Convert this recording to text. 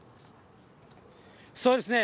そうですね。